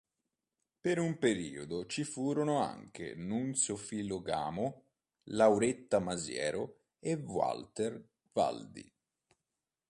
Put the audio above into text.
Per un periodo ci furono anche Nunzio Filogamo, Lauretta Masiero e Walter Valdi.